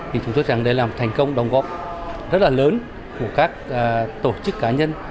thì chúng tôi chẳng để làm thành công đồng góp rất là lớn của các tổ chức cá nhân